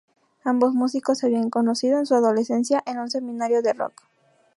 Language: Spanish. Ambos músicos se habían conocido en su adolescencia en un seminario de rock.